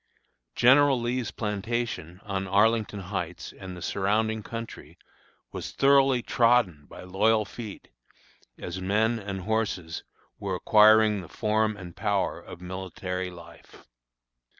General Lee's plantation, on Arlington Heights, and the surrounding country, was thoroughly trodden by loyal feet, as men and horses were acquiring the form and power of military life.